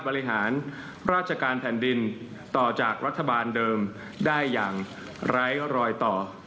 บริหารราชการแผ่นดินต่อจากรัฐบาลเดิมได้อย่างไร้รอยต่อ